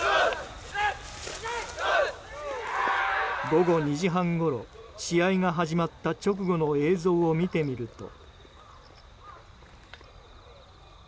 午後２時半ごろ試合が始まった直後の映像を見てみると。